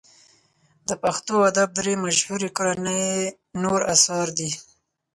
د پښتو ادب درې مشهوري کورنۍ یې نور اثار دي.